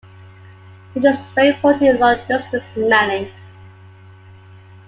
Wind is very important in long-distant smelling.